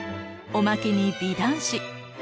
おまけに美男子。